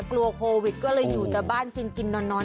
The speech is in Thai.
กลัวโควิดก็เลยอยู่แต่บ้านกินกินนอน